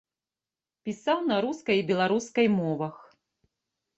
Пісаў на рускай і беларускай мовах.